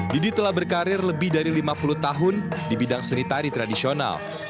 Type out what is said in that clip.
didi telah berkarir lebih dari lima puluh tahun di bidang seni tari tradisional